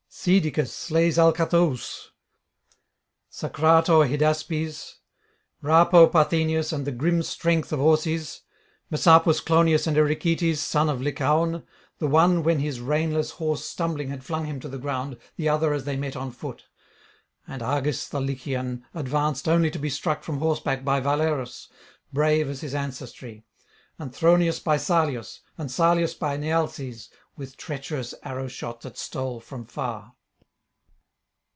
Caedicus slays Alcathoüs, Sacrator Hydaspes, Rapo Parthenius and the grim strength of Orses, Messapus Clonius and Erichaetes son of Lycaon, the one when his reinless horse stumbling had flung him to the ground, the other as they met on foot. And Agis the Lycian advanced only to be struck from horseback by Valerus, brave as his ancestry; and Thronius by Salius, and Salius by Nealces with treacherous arrow shot that stole from far.